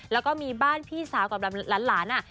แล้วก็มีบ้านพี่สาวกับหลาน